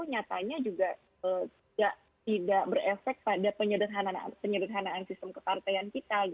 nyatanya juga tidak berefek pada penyederhanaan sistem kepartaian